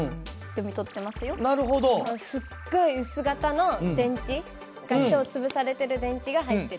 すっごい薄型の電池が超潰されてる電池が入ってる。